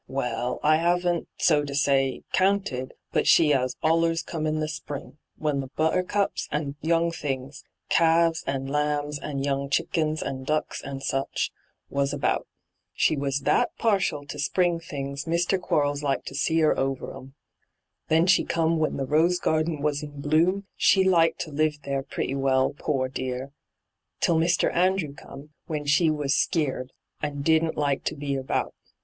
Well, I 'aven't, so to say, counted ; but she 'as allera come in the spring, when the buttercups and young things — calves and lambs and young chickens and ducks and such — was about. She was that partial to spring things Mr. Quarles liked to see 'er over 'em. Then she come when the rose garden was in bloom ; she liked to live there pretty well, poor dear 1 100 ENTRAPPED till Mr. Andrew come, when she was skeered, and didn't like to be about.